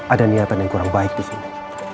ada niatan yang kurang baik disini